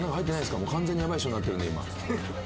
完全にヤバい人になってるんで今。